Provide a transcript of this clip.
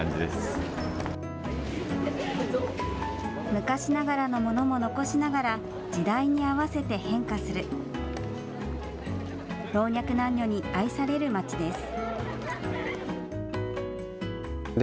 昔ながらのものも残しながら時代に合わせて変化する老若男女に愛されるまちです。